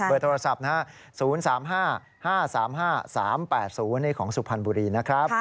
เบอร์โทรศัพท์๐๓๕๕๓๕๓๘๐ของสุพรรณบุรีนะครับ